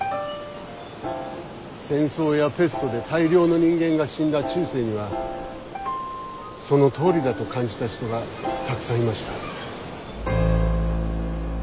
戦争やペストで大量の人間が死んだ中世にはそのとおりだと感じた人がたくさんいました。